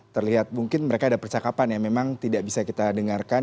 terlihat mungkin mereka ada percakapan yang memang tidak bisa kita dengarkan